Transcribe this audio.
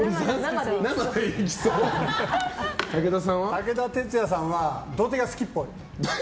武田鉄矢さんは土手が好きっぽい。